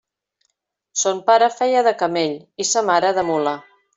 Son pare feia de camell i sa mare de mula.